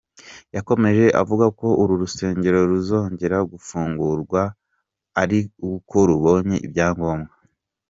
Yakomeje avuga ko uru rusengero ruzongera gufungurwa ari uko rubonye ibyangombwa.